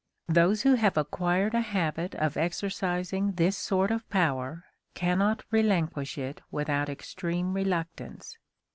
Those who have acquired a habit of exercising this sort of power cannot relinquish it without extreme reluctance.